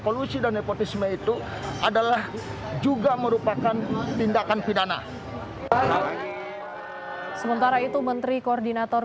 polusi dan nepotisme itu adalah juga merupakan tindakan pidana sementara itu menteri koordinator